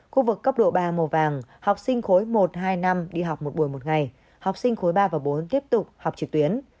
khu vực cấp độ ba màu vàng học sinh khối một hai năm đi học một buổi một ngày học sinh khối ba và bốn tiếp tục học trực tuyến